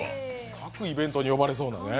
各イベントに呼ばれそうなね。